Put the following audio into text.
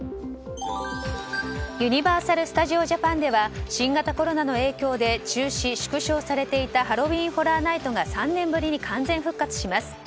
ユニバーサル・スタジオ・ジャパンでは新型コロナの影響で中止、縮小されていたハロウィーン・ホラー・ナイトが３年ぶりに完全復活します。